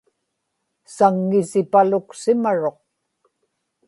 saŋŋisipaluksimaruq